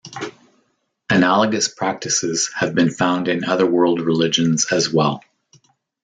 Analogous practices have been found in other world religions as well.